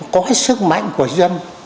có sức mạnh của dân